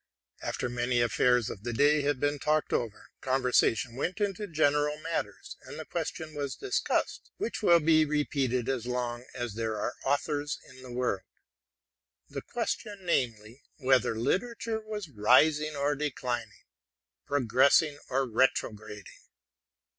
After many affairs of the day had been talked over, conversation went into general matters ; and the question was discussed, which will be repeated as long as there are authors in the world, — the question, namely, whether literature was rising, or declining ; progress ing, or retrograding?